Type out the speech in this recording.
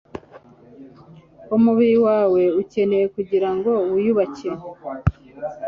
umubiri wawe ukeneye kugirango wiyubake